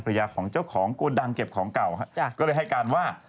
ยาของเจ้าของโกดังเก็บของเก่าฮะก็เลยให้การว่า